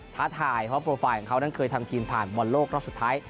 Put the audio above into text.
ท้าทายเพราะโปรไฟล์ของเขานั้นเคยทำทีมผ่านบอลโลกรอบสุดท้าย